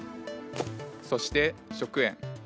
そして食塩。